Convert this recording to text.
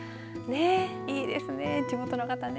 いいですね、地元の方ね。